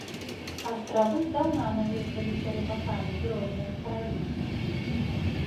Астравы здаўна наведваліся рыбакамі з розных краін.